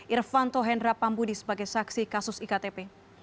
irvanto hendra pambudi sebagai saksi kasus iktp